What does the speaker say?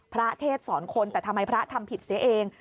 พระเทศสอนคนแต่ทำไมพระทำผิดเสียเอง